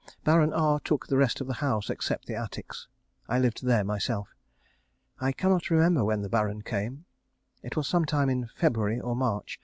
Baron R took the rest of the house except the attics. I lived there myself. I cannot remember when the Baron came. It was some time in February or March.